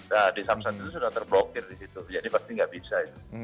nah di samsat itu sudah terblokir di situ jadi pasti nggak bisa itu